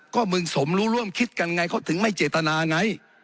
ก็มึงสมรู้ร่วมคิดกันไงเขาถึงไม่เจตนาไง